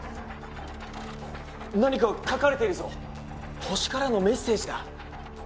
何か書かれているぞホシからのメッセージだ